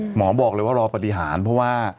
หมอบอกเลยว่ารอปฏิหารเพราะว่า